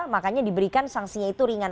makanya diberikan sanksinya itu ringan